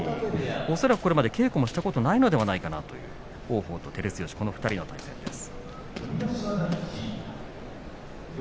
恐らくこれまで稽古をしたことがないのではないかという王鵬と照強の対戦です。